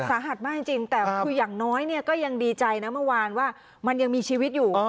สาหัสมากจริงแต่คืออย่างน้อยเนี่ยก็ยังดีใจนะเมื่อวานว่ามันยังมีชีวิตอยู่